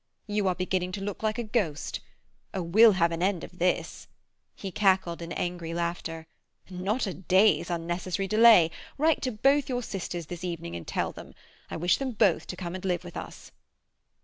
"You are beginning to look like a ghost. Oh, we'll have an end of this!" He cackled in angry laughter. "Not a day's unnecessary delay! Write to both your sisters this evening and tell them. I wish them both to come and live with us."